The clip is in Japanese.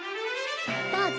どうぞ！